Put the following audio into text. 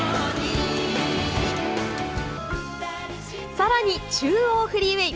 更に「中央フリーウェイ」。